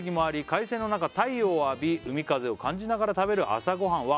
「快晴の中太陽を浴び海風を感じながら食べる朝ごはんは」